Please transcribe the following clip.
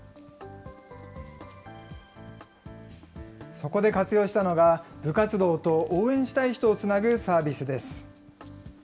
そこで活用したのが、部活動と応援したい人をつなぐサービスです。